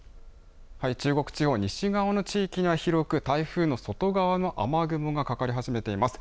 中国地方、西側の地域には広く台風の外側の雨雲がかかり始めています。